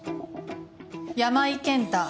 山井健太。